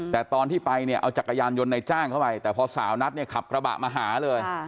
แต่ตอนที่ไปเนี่ยเอาจักรยานยนต์ในจ้างเข้าไปแต่พอสาวนัทเนี่ยขับกระบะมาหาเลย